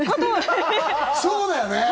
そうだよね。